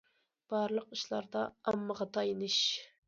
بارلىق ئىشلاردا ئاممىغا تايىنىش.